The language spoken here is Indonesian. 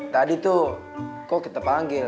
tadi tuh kok kita panggil